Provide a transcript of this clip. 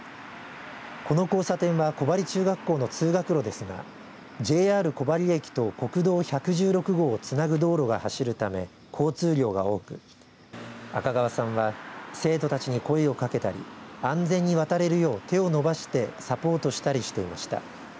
この交差点は小針中学校の通学路ですがＪＲ小針駅と国道１６号をつなぐ道路が走るため交通量が多く赤川さんは生徒たちに声をかけたり安全に渡れるよう手を伸ばしてサポートしたりしていました。